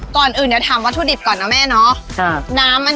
ก่อนอื่นจะทำวัตถุดิบก่อนนะแม่เนอะ